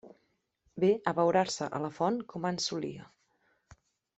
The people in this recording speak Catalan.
Ve a abeurar-se a la font com ans solia.